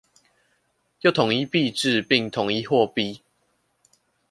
又統一幣制，並統一貨幣